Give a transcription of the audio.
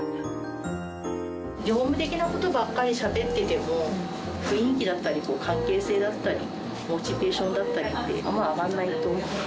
業務的なことばっかりしゃべってても、雰囲気だったり、関係性だったり、モチベーションだったりって、あんまり上がらないと思う。